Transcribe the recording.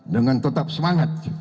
dengan tetap semangat